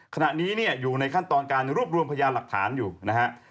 ขณะนี้เนี่ยอยู่ในขั้นตอนการรวบรวมพยานหลักฐานอยู่นะฮะ